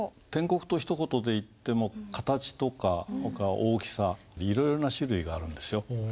篆刻とひと言でいっても形とか大きさいろいろな種類があるんですよ。